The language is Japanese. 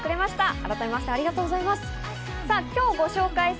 改めてありがとうございます。